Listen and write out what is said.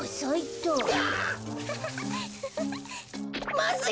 まずい！